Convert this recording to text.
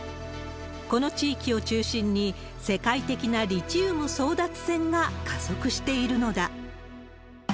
この地域を中心に世界的なリチウム争奪戦が加速しているのだ。